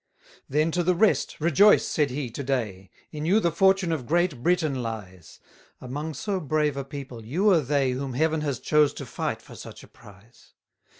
75 Then to the rest, Rejoice, said he, to day; In you the fortune of Great Britain lies: Among so brave a people, you are they Whom Heaven has chose to fight for such a prize.